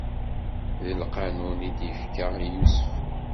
D lqanun i d-ifka i Yusef.